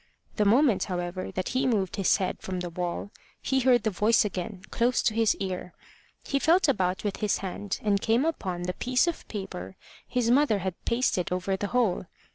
The moment, however, that he moved his head from the wall, he heard the voice again, close to his ear. He felt about with his hand, and came upon the piece of paper his mother had pasted over the hole.